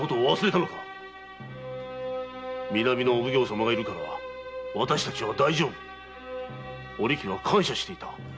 「南のお奉行様がいるから私たちは大丈夫」とお力は感謝していた。